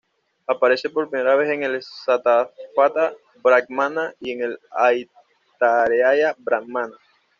Aparece por primera vez en el "Shatápatha-brahmana" y en el "Aitareia-brahmana".